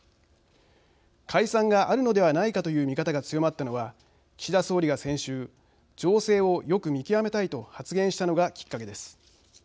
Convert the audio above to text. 解散があるのではないかという見方が強まったのは岸田総理が先週情勢をよく見極めたいと発言したのがきっかけです。